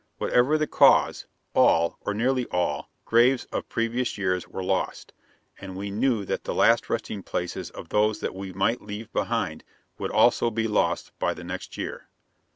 Whatever the cause, all, or nearly all, graves of previous years were lost, and we knew that the last resting places of those that we might leave behind would also be lost by the next year.